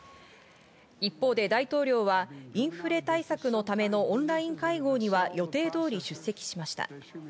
一方で大統領はインフレ対策のためのオンライン会合には予定通り出席しました。